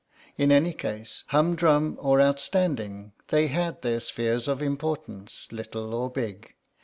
In any case, humdrum or outstanding, they had their spheres of importance, little or big.